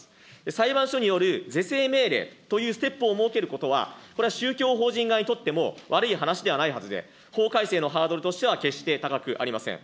裁判所による是正命令というステップを設けることは、これは宗教法人側にとっても、悪い話ではないはずで、法改正のハードルとしては決して高くありません。